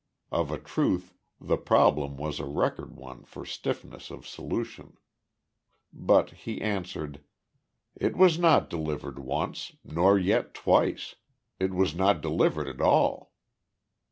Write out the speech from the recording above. Of a truth the problem was a record one for stiffness of solution. But he answered: "It was not delivered once, nor yet twice. It was not delivered at all."